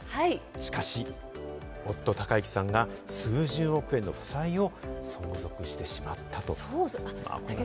しかし夫・誉幸さんが数十億円の負債を相続してしまったと。